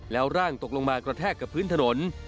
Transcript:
แล้วร่างตกลงมากระแทกกับพื้นถนน